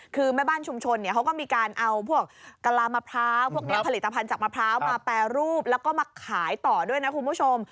คือแม่บ้านชุมชนเนี่ยเขาก็มีการเอาพวกกะลามะพร้าวพวกนี้ผลิตภัณฑ์จากมะพร้าวมาแปรรูปแล้วก็มาขายต่อด้วยนะคุณผู้ชม